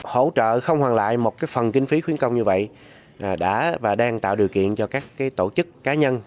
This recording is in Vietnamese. hỗ trợ không hoàn lại một phần kinh phí khuyến công như vậy đã và đang tạo điều kiện cho các tổ chức cá nhân